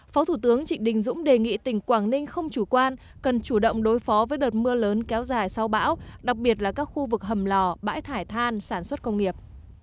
phó thủ tướng trịnh đình dũng đề nghị tỉnh quảng ninh không chủ quan cần chủ động đối phó với đợt mưa lớn kéo dài sau bão đặc biệt là các khu vực hầm lò bãi thải than sản xuất công nghiệp